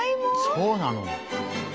そうなの？